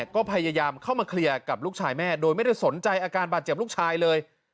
ก็พยายามเข้ามาเคลียร์กับลูกชายแม่โดยไม่ได้สนใจอาการบาดเจ็บลูกชายเลย